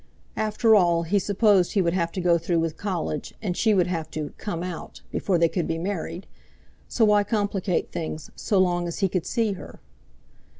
After all, he supposed he would have to go through with College, and she would have to "come out," before they could be married; so why complicate things, so long as he could see her?